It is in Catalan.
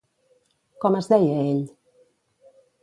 Com es deia ell?